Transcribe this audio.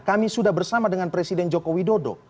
kami sudah bersama dengan presiden jokowi dodo